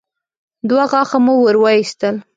دوه غاښه مو ور وايستل.